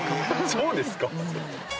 そうですか。